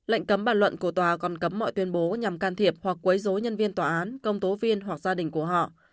lệnh cấm bàn luận của tòa còn cấm mọi tuyên bố nhằm can thiệp hoặc quấy dối nhân viên tòa án công tố viên hoặc gia đình của họ